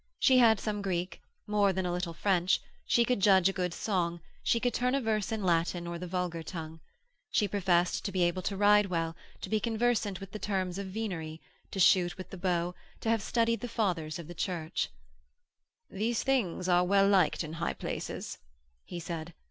She had some Greek, more than a little French, she could judge a good song, she could turn a verse in Latin or the vulgar tongue. She professed to be able to ride well, to be conversant with the terms of venery, to shoot with the bow, and to have studied the Fathers of the Church. 'These things are well liked in high places,' he said.